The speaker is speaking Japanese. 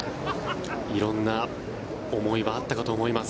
色んな思いはあったかと思います。